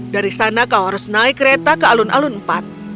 dari sana kau harus naik kereta ke alun alun empat